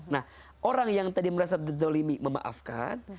nah orang yang tadi merasa terzolimi memaafkan